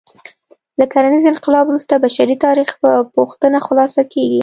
له کرنیز انقلاب وروسته بشري تاریخ په پوښتنه خلاصه کېږي.